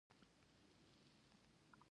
ایا داسې زړه هم شته چې موسيقي یې ویلي نه کړي؟